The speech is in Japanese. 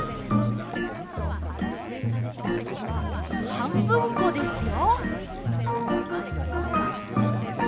はんぶんこですよ。